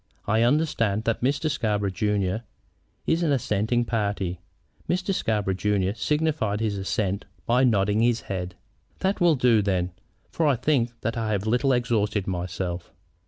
I understand that Mr. Scarborough, junior, is an assenting party?" Mr. Scarborough, junior, signified his assent by nodding his head. "That will do, then, for I think that I have a little exhausted myself."